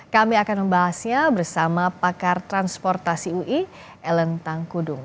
kami akan membahasnya bersama pakar transportasi ui ellen tangkudung